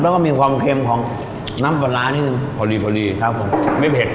แล้วก็มีความเค็มของน้ำปลาร้านิดนึงพอดีพอดีครับผมไม่เผ็ด